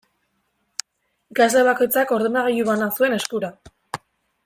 Ikasle bakoitzak ordenagailu bana zuen eskura.